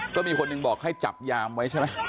ก็มีคนหนึ่งบอกให้จับยามไว้ใช่ไหม